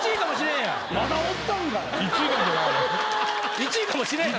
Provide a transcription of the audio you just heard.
１位かもしれんやろ。